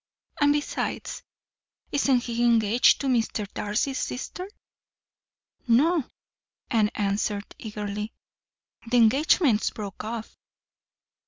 And, besides, isn't he engaged to Mr. Darcy's sister?" "No," Anne answered eagerly, "the engagement's broke off.